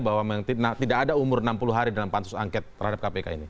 bahwa memang tidak ada umur enam puluh hari dalam pansus angket terhadap kpk ini